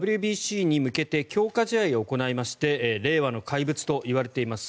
ＷＢＣに向けて強化試合を行いまして令和の怪物と言われています